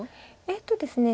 えっとですね